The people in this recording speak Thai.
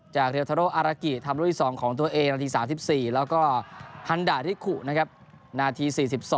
เรียลทาโรอารากิทำรุ่นที่๒ของตัวเองนาที๓๔แล้วก็ฮันดาริขุนะครับนาที๔๒